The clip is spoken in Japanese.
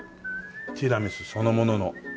ティラミスそのものの味ですよ。